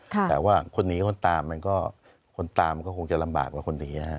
แต่ว่าคนนี้คนตามมันก็คงจะลำบากกว่าคนนี้ค่ะ